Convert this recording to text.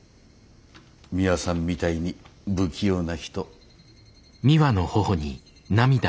ミワさんみたいに不器用な人。